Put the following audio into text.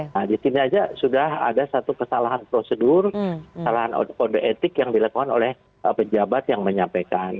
nah di sini saja sudah ada satu kesalahan prosedur kesalahan kode etik yang dilakukan oleh pejabat yang menyampaikan